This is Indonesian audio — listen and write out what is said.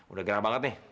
udah gerah banget nih